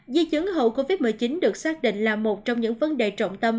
di chứng hậu covid một mươi chín được xác định là một trong những vấn đề trọng tâm